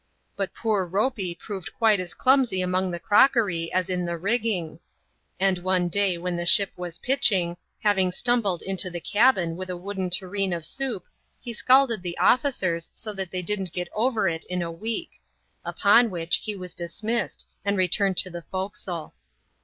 But poor Ropey proved quite as clumsy among the crockery as in the rigging; and one day when the ship was pitching, having stumbled into the cabin with a wooden tureen of soup, he scalded the officers so that they did'nt get over it in a week. Upon which, he was dismissed, and returned to the forecastle.